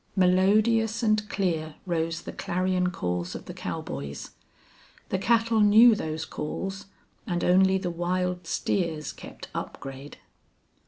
Melodious and clear rose the clarion calls of the cowboys. The cattle knew those calls and only the wild steers kept up grade.